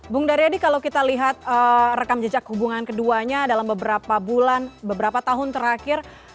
bung daryadi kalau kita lihat rekam jejak hubungan keduanya dalam beberapa bulan beberapa tahun terakhir